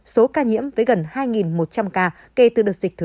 số ca nhiễm với gần hai một trăm linh ca kể từ đợt dịch thứ hai